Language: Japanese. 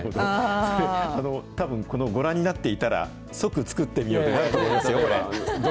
たぶん、ご覧になっていたら、即作ってみようとなると思いますよ。